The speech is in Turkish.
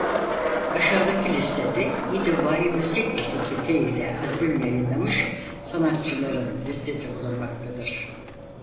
Aşağıdaki listede İdobay Müzik etiketi ile albüm yayınlamış sanatçıların listesi bulunmaktadır.